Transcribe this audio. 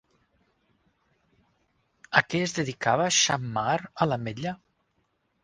A què es dedicava Xammar a l'Ametlla?